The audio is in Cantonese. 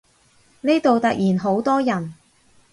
呢度突然好多人